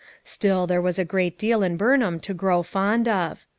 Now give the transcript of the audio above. Still, there was a great deal in Burnham to grow fond of.